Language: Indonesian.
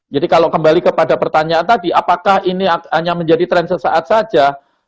kalau kembali kepada pertanyaan tadi apakah ini hanya menjadi tren sesaat saja